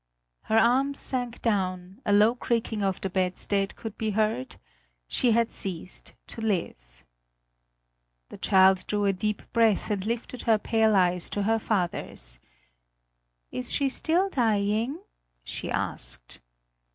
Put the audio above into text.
Her arms sank down, a low creaking of the bedstead could be heard; she had ceased to live. The child drew a deep breath and lifted her pale eyes to her father's. "Is she still dying?" she asked.